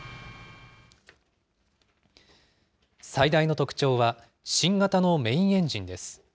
最大の特徴は、新型のメインエンジンです。